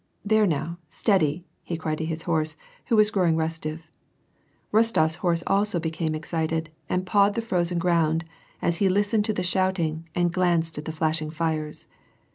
There now, steady," he cried to his horse, who was growing restive. Rostof's horse also became excited, and pawed the frozen ground, as he listened to the shouting, and glanced at the flashing fires.